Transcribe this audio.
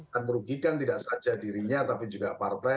dan merugikan tidak saja dirinya tapi juga partai